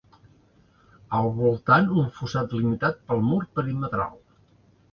Al voltant, un fossat limitat pel mur perimetral.